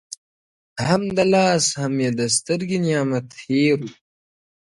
هم د لاس هم يې د سترگي نعمت هېر وو!.